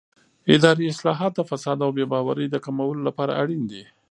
اداري اصلاحات د فساد او بې باورۍ د کمولو لپاره اړین دي